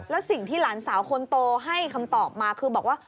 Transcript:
แล้วสิ่งที่หลานสาวคนโตให้คำตอบมาคือบอกว่า